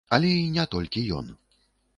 Але і не толькі ён.